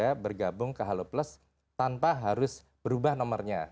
dapat juga bergabung ke halo plus tanpa harus berubah nomernya